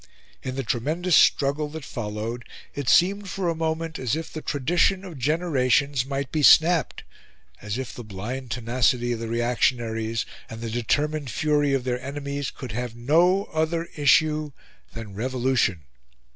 In the tremendous struggle that followed, it seemed for a moment as if the tradition of generations might be snapped, as if the blind tenacity of the reactionaries and the determined fury of their enemies could have no other issue than revolution.